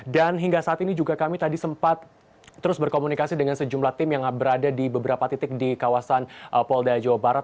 dan hingga saat ini juga kami tadi sempat terus berkomunikasi dengan sejumlah tim yang berada di beberapa titik di kawasan poldai jawa barat